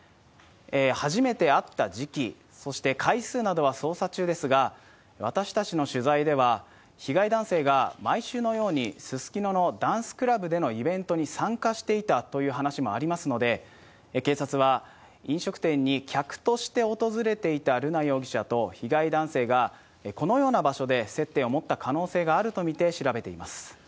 初めて会った時期、そして回数などは捜査中ですが、私たちの取材では、被害男性が毎週のようにすすきののダンスクラブでのイベントに参加していたという話もありますので、警察は飲食店に客として訪れていた瑠奈容疑者と被害男性が、このような場所で接点を持った可能性があると見て調べています。